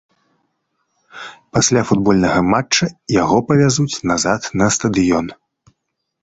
Пасля футбольнага матча яго павязуць назад на стадыён.